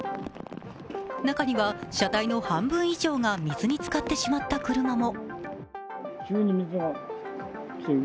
中には車体の半分以上が水につかってしまった車も。